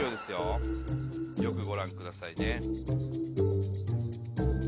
よくご覧くださいね。